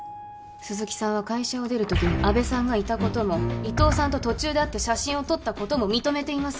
鈴木さんは会社を出る時に阿部さんがいたことも伊藤さんと途中で会って写真を撮ったことも認めています